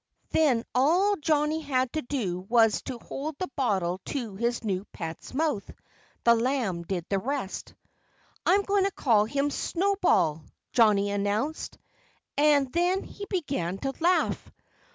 Then all Johnnie had to do was to hold the bottle to his new pet's mouth. The lamb did the rest. "I'm going to call him 'Snowball,'" Johnnie announced. And then he began to laugh.